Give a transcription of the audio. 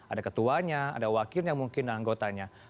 ada ketuanya ada wakilnya mungkin anggotanya